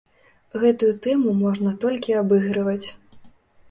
Гэтую тэму можна толькі абыгрываць.